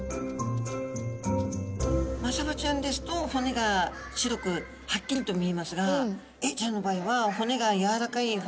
マサバちゃんですと骨が白くはっきりと見えますがエイちゃんの場合は骨があっ！